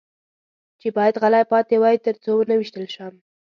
چې باید غلی پاتې وای، تر څو و نه وېشتل شم.